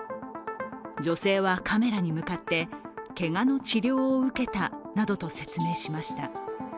女性はカメラに向かって、けがの治療を受けたなどと説明しました。